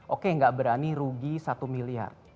oke nggak berani rugi satu miliar